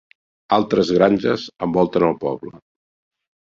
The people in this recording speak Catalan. Altres granges envolten el poble.